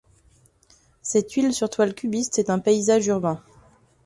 Cette huile sur toile cubiste est un paysage urbain.